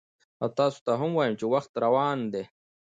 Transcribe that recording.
او تاسو ته هم وایم چې وخت روان دی،